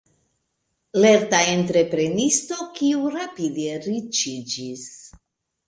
Lerta entreprenisto, kiu rapide riĉiĝis.